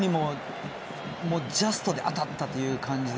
ジャストで当たったという感じで。